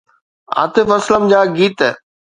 عاطف اسلم جا گيت